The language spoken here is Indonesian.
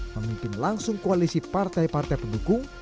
memimpin langsung koalisi partai partai pendukung